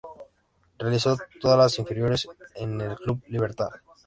Realizó todas las inferiores en el Club Libertad.